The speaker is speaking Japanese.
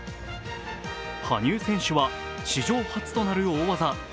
羽生選手は史上初となる大技